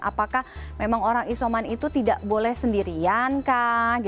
apakah memang orang isoman itu tidak boleh sendirian kan